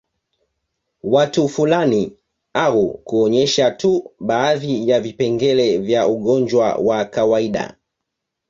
Watu fulani au kuonyesha tu baadhi ya vipengele vya ugonjwa wa kawaida